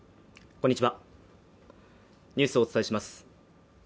こんにちはニュースをお伝えします。